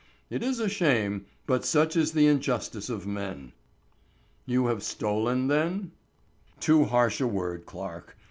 It is a shame, but such is the injustice of men." "You have stolen then?" "Too harsh a word, Clarke.